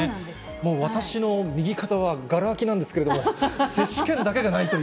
もう私の右肩はがら空きなんですけれども、接種券だけがないとい